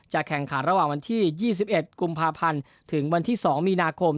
แข่งขันระหว่างวันที่๒๑กุมภาพันธ์ถึงวันที่๒มีนาคม